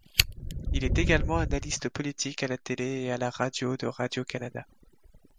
Il est également analyste politique à la télé et à la radio de Radio-Canada.